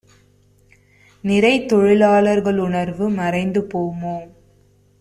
நிறைதொழிலா ளர்களுணர்வு மறைந்து போமோ?